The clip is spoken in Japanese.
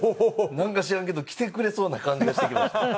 なんか知らんけど来てくれそうな感じがしてきました。